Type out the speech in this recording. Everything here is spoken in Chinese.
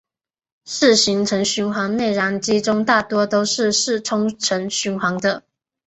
四行程循环内燃机中大多都是四冲程循环的。